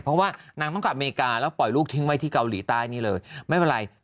เพราะว่านางต้องกลับอเมริกาแล้วปล่อยลูกทิ้งไว้ที่เกาหลีใต้นี่เลยไม่เป็นไร